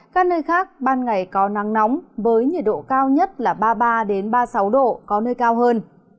các nơi khác ban ngày có nắng nóng với nhiệt độ cao nhất là ba mươi ba ba mươi sáu độ có nơi cao hơn